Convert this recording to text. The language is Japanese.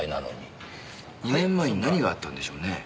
２年前に何があったんでしょうね。